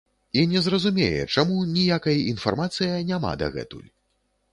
І не зразумее, чаму ніякай інфармацыя няма дагэтуль.